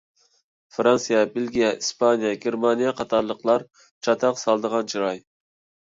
فىرانسىيە، بېلگىيە، ئىسپانىيە، گېرمانىيە قاتارلىقلار چاتاق سالىدىغان چىراي.